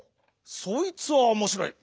そいつはおもしろい。